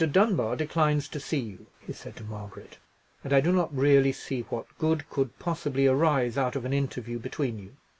Dunbar declines to see you," he said to Margaret; "and I do not really see what good could possibly arise out of an interview between you.